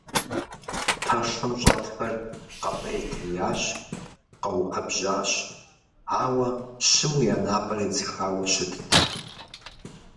Пэшым щӀэтхэр къэпӀейтеящ, къэуӀэбжьащ, ауэ щыму, я напӀэр едзыхауэ щытт.